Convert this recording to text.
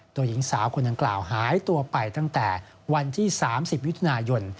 โดยหญิงสาวคนดังกล่าวหายตัวไปตั้งแต่วันที่๓๐มิถุนายน